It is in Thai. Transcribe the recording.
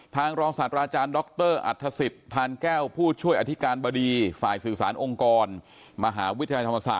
ทางรองศาสตร์อาจารย์ดรอคเตอร์อัตภสิตทานแก้วผู้ช่วยอธิการบดีฝ่ายสื่อสารองค์กรมหาวิทยาลัยธรรมศาสตร์นะครับ